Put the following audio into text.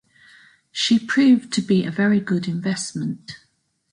She proved to be a very good investment.